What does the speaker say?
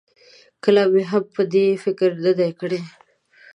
کله مې هم په دې فکر نه دی کړی.